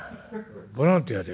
ボランティアで？」。